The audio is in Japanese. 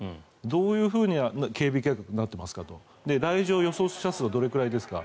どういうふうな警備計画になっていますか来場予想者数はどれくらいですか